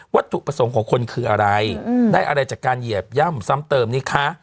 ถูกประสงค์ของคนคืออะไรได้อะไรจากการเหยียบย่ำซ้ำเติมนี่คะ